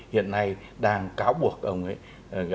hiện nay đang cáo buộc ông ấy gọi là về cái tội tham nhũng và